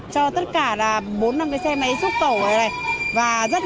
cho tất cả bốn năm cái xe máy xúc tẩu vào đây này